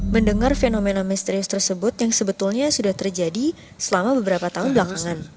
mendengar fenomena misterius tersebut yang sebetulnya sudah terjadi selama beberapa tahun belakangan